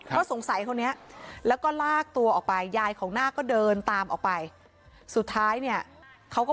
ก็สงสัยคนนี้แล้วก็ลากตัวออกไปยายของนาคก็เดินตามออกไปสุดท้ายเนี่ยเขาก็